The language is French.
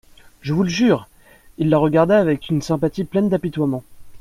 Je vous le jure ! Il la regarda avec une sympathie pleine d'apitoiement.